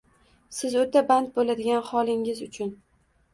siz o‘ta band bo‘ladigan holingiz uchun